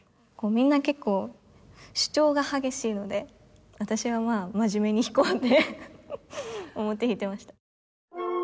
みんな結構主張が激しいので私はまあ真面目に弾こうって思って弾いてました。